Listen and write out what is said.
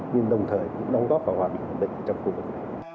nhưng đồng thời cũng đóng góp vào hòa bình hợp định trong khu vực này